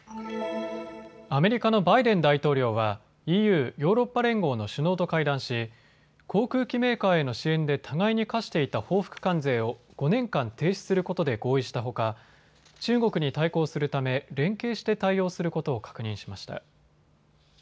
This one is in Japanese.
アメリカのバイデン大統領はＥＵ・ヨーロッパ連合の首脳と会談し航空機メーカーへの支援で互いに課していた報復関税を５年間停止することで合意したほか中国に対抗するため連携して対応することを確認しました。